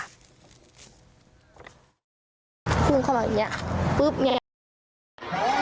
คือจะขอโทษนะแล้วประชาครูก็ขอโทษ